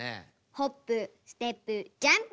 「ホップステップジャンプ！」ぐらい。